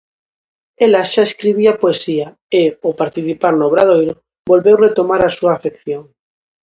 Ela xa escribía poesía, e ao participar no obradoiro volveu retomar a súa afección.